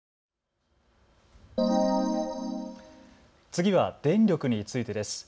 次は電力についてです。